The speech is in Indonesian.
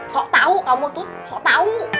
sok tau kamu tuh sok tau